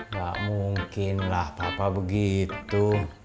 gak mungkin lah papa begitu